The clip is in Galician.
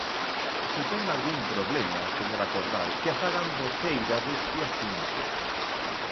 Se ten algún problema, señora Cordal, que a fagan voceira deste asunto.